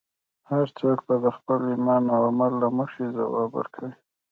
هر څوک به د خپل ایمان او عمل له مخې ځواب ورکوي.